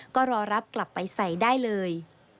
ก็รอรับกลับไปใส่ได้เลย